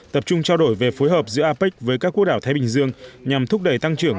tập trung trao đổi về phối hợp giữa apec với các quốc đảo thái bình dương nhằm thúc đẩy tăng trưởng